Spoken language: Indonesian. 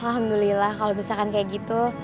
alhamdulillah kalau misalkan kayak gitu